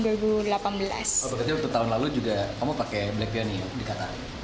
beberapa tahun lalu juga kamu pakai black piano di qatar